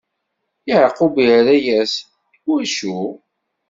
Yeɛqub irra-yas: I wacu?